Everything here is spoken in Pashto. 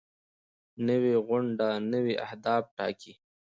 نوې غونډه نوي اهداف ټاکي